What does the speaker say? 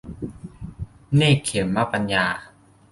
เนกขัมมะปัญญา